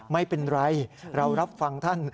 ไม่เป็นไรเรารับฟังท่าน